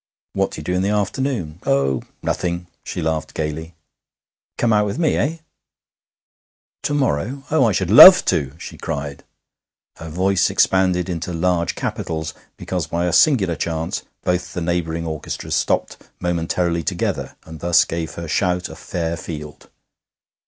'What do you do in the afternoon?' 'Oh, nothing.' She laughed gaily. 'Come out with me, eh?' 'To morrow? Oh, I should LOVE TO!' she cried. Her voice expanded into large capitals because by a singular chance both the neighbouring orchestras stopped momentarily together, and thus gave her shout a fair field.